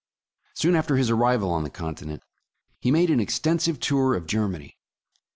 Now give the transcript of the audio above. Soon after his arrival on the continent, he made an extensive tour of Germany.